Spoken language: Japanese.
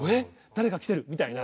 誰か来てるみたいな。